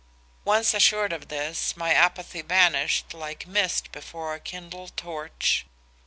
"Once assured of this, my apathy vanished like mist before a kindled torch.